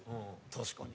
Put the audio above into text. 確かに。